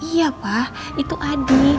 iya pak itu adi